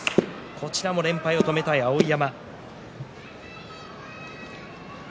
こちらも連敗を止めたい碧山。